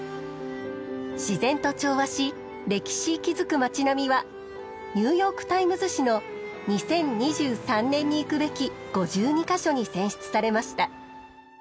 自然と調和し歴史息づく街並みはニューヨーク・タイムズ紙の「２０２３年に行くべき５２カ所」に選出されました。